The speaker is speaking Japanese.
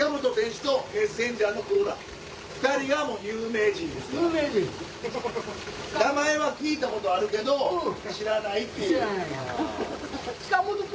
名前は聞いたことあるけど知らないっていう。